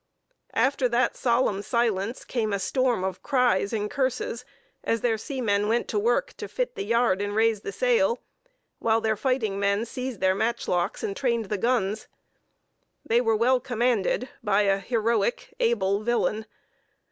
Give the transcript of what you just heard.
After that solemn silence came a storm of cries and curses, as their seamen went to work to fit the yard and raise the sail; while their fighting men seized their matchlocks and trained the guns. They were well commanded by an heroic able villain.